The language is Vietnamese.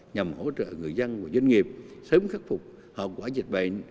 nhằm hỗ trợ người dân và doanh nghiệp sớm khắc phục hậu quả dịch bệnh